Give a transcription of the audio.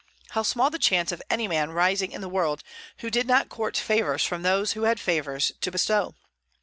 How small the chance of any man rising in the world, who did not court favors from those who had favors to bestow!